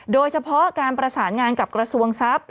โดยเฉพาะการประสานงานกับกระทรวงทรัพย์